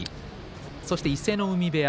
そして、伊勢ノ海部屋